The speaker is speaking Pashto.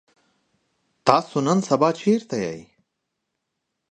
تاسو نن سبا چرته يئ؟